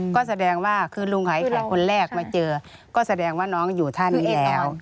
ก็แสดงว่าคือลุงหายแขกคนแรกมาเจอก็แสดงว่าน้องอยู่ท่านี้แล้ว